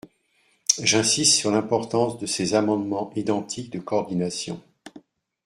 J’insiste sur l’importance de ces amendements identiques de coordination.